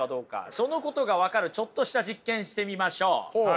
そのことが分かるちょっとした実験してみましょう！